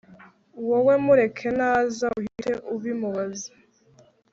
Wowe mureke naza uhite ubimubazza